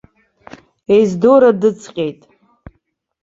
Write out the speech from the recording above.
Ездора дыҵҟьеит.